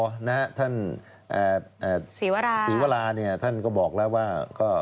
สิวราท่านสิวราเขาก็บอกแล้วว่า